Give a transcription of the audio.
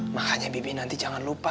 makanya bibi nanti jangan lupa